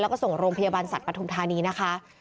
แล้วก็ส่งลงพยาบาลศัพท์ประธุมธานีนะคะ